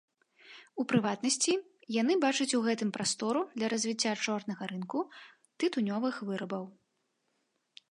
У прыватнасці, яны бачаць у гэтым прастору для развіцця чорнага рынку тытунёвых вырабаў.